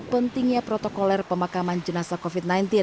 pentingnya protokoler pemakaman jenazah covid sembilan belas